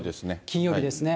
金曜日ですね。